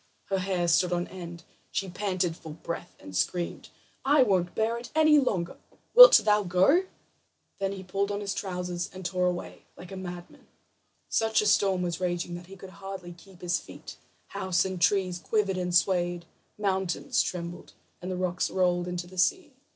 Her hair stood on end; she panted for breath, and screamed: "I won't bear it any longer; wilt thou go?" Then he pulled on his trousers and tore away like a madman. Such a storm was raging that he could hardly keep his feet; houses and trees quivered and swayed, mountains trembled, and the rocks rolled into the sea.